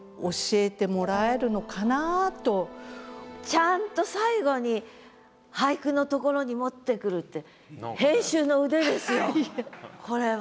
ちゃんと最後に俳句のところに持ってくるってこれは。